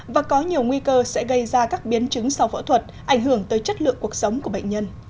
và có nhiều nguy cơ sẽ gây ra các biến chứng sau phẫu thuật ảnh hưởng tới chất lượng cuộc sống của bệnh nhân